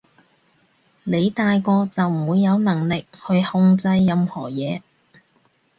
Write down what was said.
你大個就唔會有能力去控制任何嘢